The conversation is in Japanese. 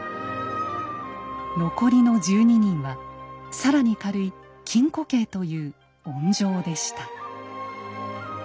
残りの１２人は更に軽い禁錮刑という温情でした。